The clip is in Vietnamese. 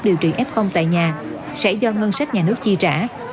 điều trị f tại nhà sẽ do ngân sách nhà nước chi trả